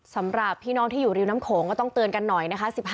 สำหรับพี่น้องที่อยู่ริมน้ำโขงก็ต้องเตือนกันหน่อยนะคะ